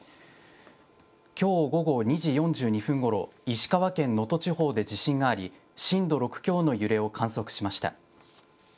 きょう午後２時４２分ごろ、石川県能登地方で地震があり、震度６強の揺れを観測しました。